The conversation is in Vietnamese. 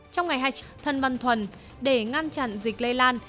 trong ngày thân văn thuần để ngăn chặn dịch lây lan